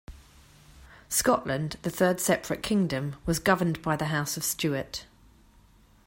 Scotland, the third separate kingdom, was governed by the House of Stuart.